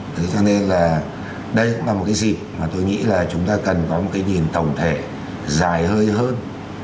thế cho nên là đây cũng là một cái dịp mà tôi nghĩ là chúng ta cần có một cái nhìn tổng thể dài hơi hơn